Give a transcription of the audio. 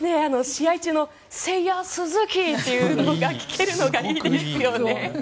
試合中のセイヤ・スズキというのが聞けるのがいいですよね。